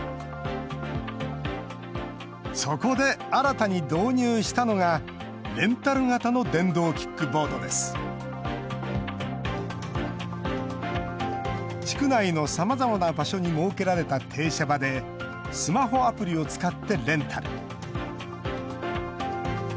そこで新たに導入したのが地区内のさまざまな場所に設けられた停車場でスマホアプリを使ってレンタル。